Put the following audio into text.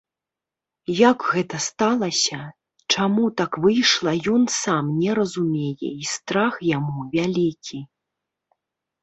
Як гэта сталася, чаму так выйшла, ён сам не разумее, і страх яму вялікі.